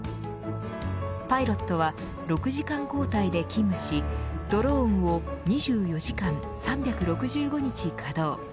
パイロットは６時間交代で勤務しドローンを２４時間３６５日稼働。